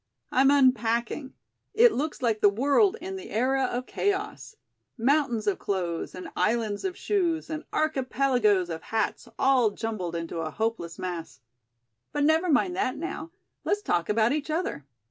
"I'm unpacking. It looks like the world in the era of chaos: mountains of clothes and islands of shoes and archipelagoes of hats all jumbled into a hopeless mass. But, never mind that now. Let's talk about each other.